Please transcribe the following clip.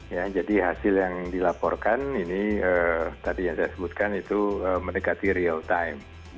ya jadi hasil yang dilaporkan ini tadi yang saya sebutkan itu mendekati real time